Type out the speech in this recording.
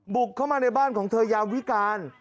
บุกเข้ามาในบ้านของเธอยามวิการ